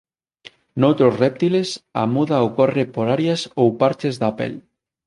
Noutros réptiles a muda ocorre por áreas ou parches da pel.